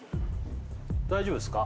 大丈夫ですか？